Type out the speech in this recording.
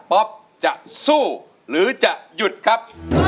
ป๊อปจะสู้หรือจะหยุดครับ